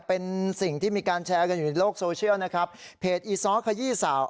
เป็นสิ่งที่มีการแชร์กันอยู่ในโลกโซเชียลนะครับเพจอีซ้อขยี้สาว